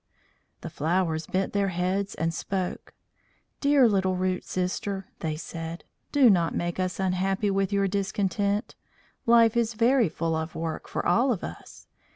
The flowers bent their heads and spoke. "Dear little Root sister," they said, "do not make us unhappy with your discontent. Life is very full of work for all of us.